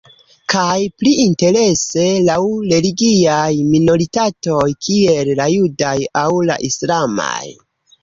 Kaj pli interese laŭ religiaj minoritatoj, kiel la judaj aŭ la islamaj.